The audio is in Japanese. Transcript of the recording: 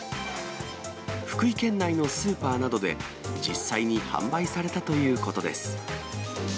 福井県内のスーパーなどで、実際に販売されたということです。